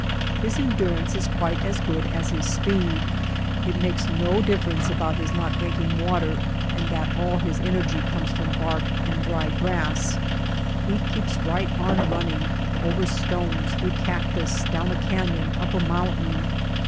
His endurance is quite as good as his speed. It makes no difference about his not drinking water and that all his energy comes from bark and dry grass. He keeps right on running ; over stones, through cactus, down a canyon, up a mountain.